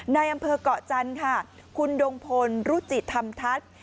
ในอำเภอกเกาะจันทร์ค่ะคุณดงพลรุจิธรรมทัศน์